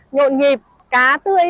nhuộn nhịp cá tươi